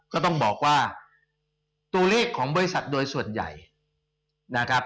ก็ต้องบอกว่าตัวเลขของบริษัทโดยส่วนใหญ่นะครับ